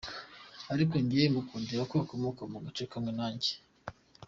Ariko njye mukundira ko akomoka mu gace kamwe nanjye.